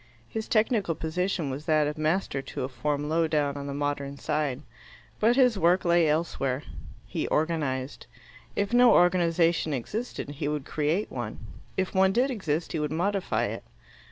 His technical position was that of master to a form low down on the Modern Side. But his work lay elsewhere. He organized. If no organization existed, he would create one. If one did exist, he would modify it.